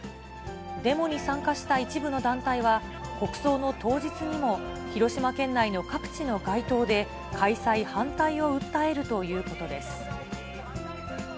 でもに参加した一部の団体は、国葬の当日にも、広島県内の各地の街頭で、開催反対を訴えるということです。